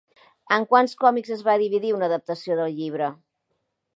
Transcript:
En quants còmics es va dividir una adaptació del llibre?